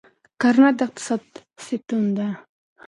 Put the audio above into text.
کرنه د اقتصاد ستون ده.